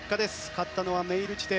勝ったのはメイルティテ。